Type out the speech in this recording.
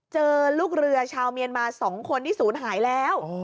เจอลูกเรือชาวเมียนมา๒คนที่ศูนย์หายแล้ว